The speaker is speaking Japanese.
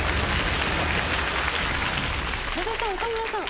矢部さん岡村さん